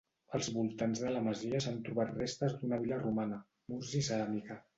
Als voltants de la masia s'han trobat restes d'una vila romana -murs i ceràmica-.